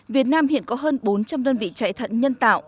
việt nam hiện có hơn bốn trăm linh đơn vị chạy thận nhân tạo